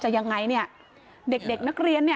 เชิงชู้สาวกับผอโรงเรียนคนนี้